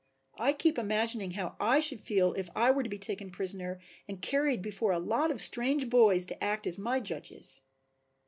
I keep imagining how I should feel if I were to be taken prisoner and carried before a lot of strange boys to act as my judges."